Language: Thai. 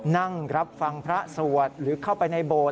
นั่งรับฟังพระสวดหรือเข้าไปในโบสถ